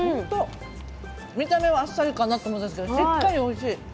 見た目はあっさりかなと思ったら、しっかりおいしい。